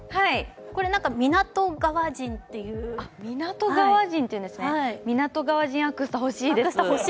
これ、港川人という、港川人アクスタ、欲しいです。